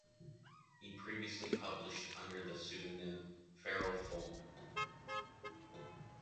He previously published under the pseudonym Feral Faun.